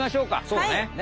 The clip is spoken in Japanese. そうね。